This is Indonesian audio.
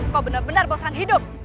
kau benar benar bosan hidup